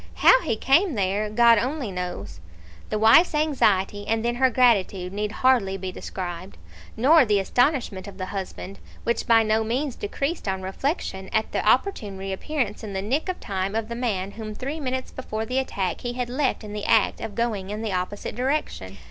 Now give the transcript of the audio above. How he came there, God only knows." The wife's anxiety, and then her gratitude, need hardly be described, nor the astonishment of the husband, which by no means decreased on reflection, at the opportune re appearance in the nick of time of the man whom three minutes before the attack he had left in the act of going in the opposite direction.